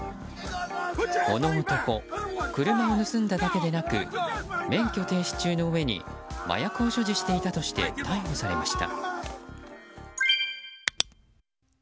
この男、車を盗んだだけでなく免許停止中のうえに麻薬を所持していたとして逮捕されました。